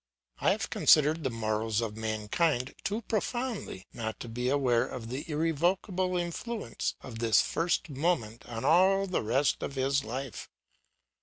I have considered the morals of mankind too profoundly not to be aware of the irrevocable influence of this first moment on all the rest of his life.